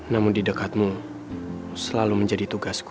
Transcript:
namun di dekatmu selalu menjadi tugasku